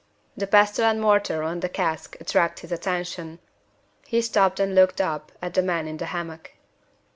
The pestle and mortar on the cask attracted his attention. He stopped and looked up at the man in the hammock.